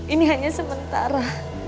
ini hanya sementara